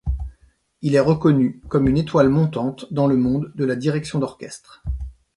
Il est reconnu comme une étoile montante dans le monde de la direction d’orchestre.